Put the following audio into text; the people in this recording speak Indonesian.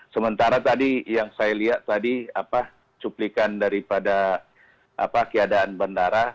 sementara tadi yang saya lihat tadi cuplikan daripada keadaan bandara